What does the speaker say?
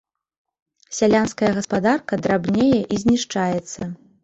Сялянская гаспадарка драбнее і знішчаецца.